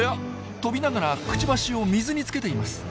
飛びながらクチバシを水につけています。